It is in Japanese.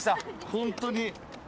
本当に。